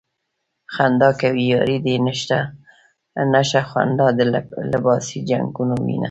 خندا کوې ياري دې نشته تشه خندا د لباسې جنکو وينه